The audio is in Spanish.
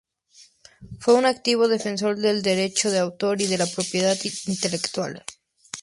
Fue un activo defensor del derecho de autor y de la propiedad intelectual.